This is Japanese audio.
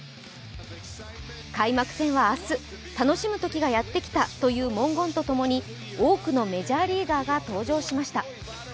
開幕戦は明日、楽しむときがやってきたという文言とともに多くのメジャーリーガーが登場しました。